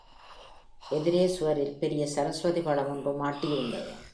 எதிரே சுவரில் பெரிய சரஸ்வதி படம் ஒன்று மாட்டியிருந்தது.